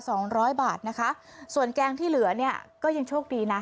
สองร้อยบาทนะคะส่วนแกงที่เหลือเนี่ยก็ยังโชคดีนะ